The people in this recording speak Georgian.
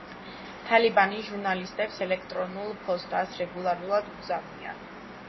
თალიბანი ჟურნალისტებს ელექტრონულ ფოსტას რეგულარულად უგზავნიან.